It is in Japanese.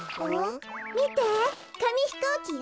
みてかみひこうきよ。